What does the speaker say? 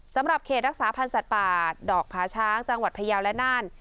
สำหรับเขตรักษาพันธ์สัตว์ป่าดอกผาช้างจังหวัดพยาวและน่าน